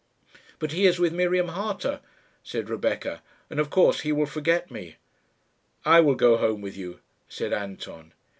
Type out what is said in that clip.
"But he is with Miriam Harter," said Rebecca, "and, of course, he will forget me." "I will go home with you," said Anton.